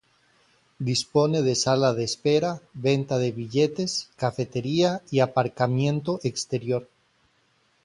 Dispone de sala de espera, venta de billetes, cafetería y aparcamiento exterior.